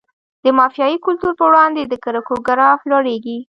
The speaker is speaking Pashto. د مافیایي کلتور په وړاندې د کرکو ګراف لوړیږي.